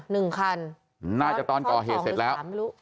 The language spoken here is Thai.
นึงตรงคัน